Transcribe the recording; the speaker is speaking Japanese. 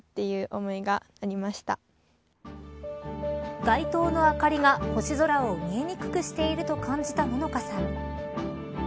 街灯の明かりが星空を見にくくしていると感じた野乃花さん